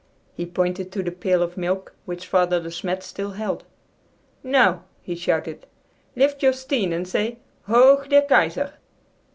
He pointed to the pail of milk which Father De Smet still held. "Now," he shouted, "lift your stein and say, 'Hoch der Kaiser.'"